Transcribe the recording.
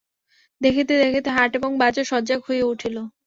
দেখিতে দেখিতে হাট এবং বাজার সজাগ হইয়া উঠিল।